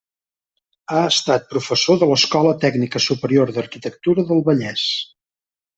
Ha estat professor de l'Escola Tècnica Superior d'Arquitectura del Vallès.